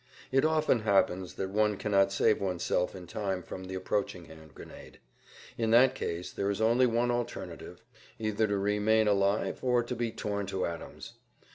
It often happens that one cannot save oneself in time from the approaching hand grenade. In that case there is only one alternative—either to remain alive or be torn to atoms.